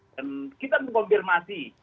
dan kita mengkonfirmasi